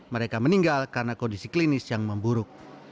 mereka meninggal karena kondisi klinis yang memburuk